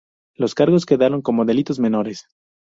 Los cargos quedaron como delitos menores.